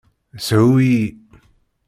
Shu-iyi.